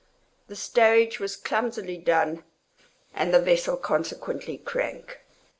The stowage was clumsily done, and the vessel consequently crank.